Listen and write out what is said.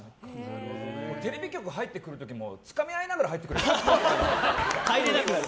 テレビ局入ってくる時もつかみ合いながら入ってくればいいじゃない。